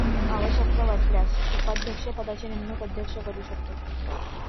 आवश्यकता वाटल्यास उपाध्यक्ष पदाची नेमणूक अध्यक्ष करू शकतो.